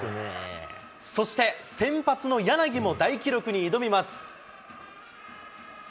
そして先発の柳も大記録に挑みます。